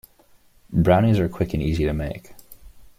Brownies are quick and easy to make.